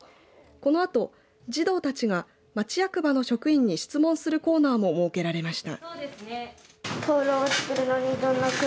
このあと児童たちが町役場の職員に質問するコーナーも設けられました。